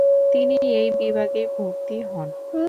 তিনি এই বিভাগেই ভর্তি হন।